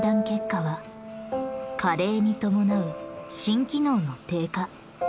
結果は加齢に伴う心機能の低下。